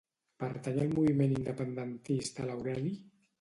Pertany al moviment independentista l'Aureli?